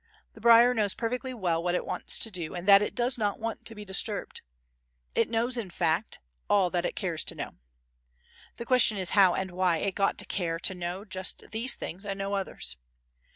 The briar knows perfectly well what it wants to do and that it does not want to be disturbed; it knows, in fact, all that it cares to know. The question is how and why it got to care to know just these things and no others.